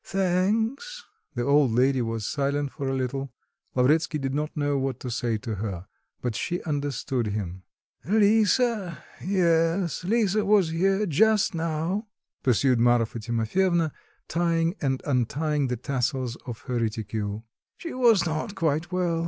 Thanks." The old lady was silent for a little; Lavretsky did not know what to say to her; but she understood him. "Lisa... yes, Lisa was here just now," pursued Marfa Timofyevna, tying and untying the tassels of her reticule. "She was not quite well.